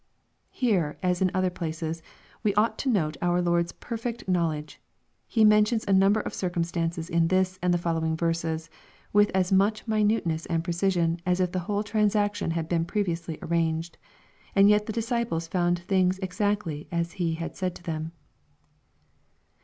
Here, as in other places, we ought to note our Lord's perfect knowledge. He mentions a number of circumstances in this and the following verses, with as much minuteness and precision as if the whole transaction had been previously arranged. And yet the disciples found things exactly as He had said to them.